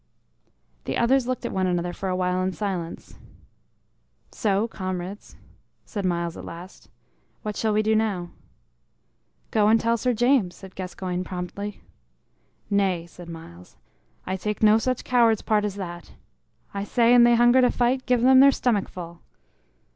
The others looked at one another for a while in silence. "So, comrades," said Myles at last, "what shall we do now?" "Go, and tell Sir James," said Gascoyne, promptly. "Nay," said Myles, "I take no such coward's part as that. I say an they hunger to fight, give them their stomachful."